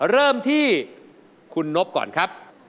เริ่มที่คุณนบก่อนครับ